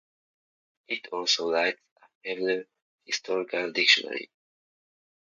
It also writes a Hebrew Historical Dictionary.